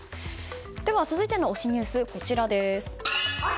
では、続いての推しニュースこちらです。